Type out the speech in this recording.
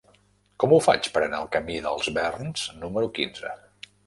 Com ho faig per anar al camí dels Verns número quinze?